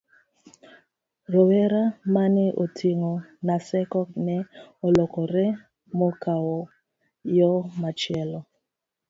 rowera mane oting'o Naseko ne olokore mokawo yo machielo